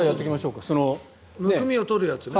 むくみを取るやつね。